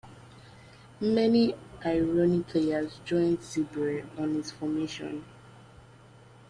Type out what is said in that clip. Many Aironi players joined Zebre on its formation.